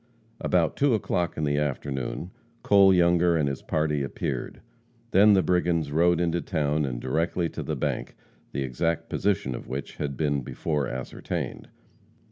About 2 o'clock in the afternoon, Cole Younger and his party appeared, then the brigands rode into town and directly to the bank, the exact position of which had been before ascertained.